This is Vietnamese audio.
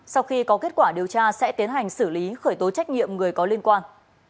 sau khi có kết quả điều tra sẽ tiến hành xử lý khởi tố trách nhiệm người có liên quan